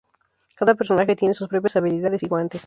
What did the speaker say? Cada personaje tiene sus propias habilidades y guantes.